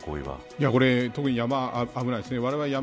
特に山は危ないですね。